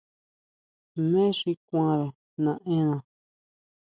¿Jmé xi kuanre naʼena?